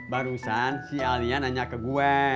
barusan si alia nanya ke gue